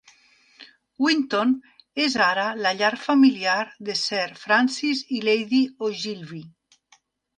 Winton és ara la llar familiar de Sir Francis i Lady Ogilvy.